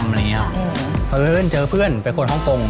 เพื่อนเจอเพื่อนเป็นคนฮ่องโกง